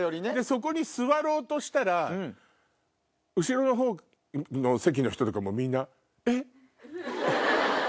そこに座ろうとしたら後ろの席の人とかみんな。